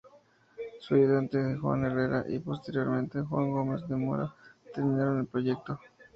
Su ayudante Juan de Herrera y posteriormente Juan Gómez de Mora terminaron el proyecto.